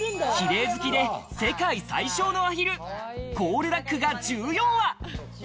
綺麗好きで世界最小のアヒル、コールダックが１４羽。